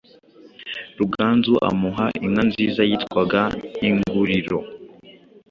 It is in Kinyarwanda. Ruganzu amuha inka nziza yitwaga "Inguriro"